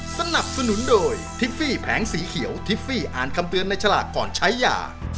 สนับสนุนโดยทิฟฟี่แผงสีเขียวทิฟฟี่อ่านคำเตือนในฉลากก่อนใช้ยา